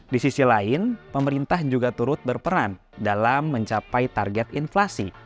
di sisi lain pemerintah juga turut berperan dalam mencapai target inflasi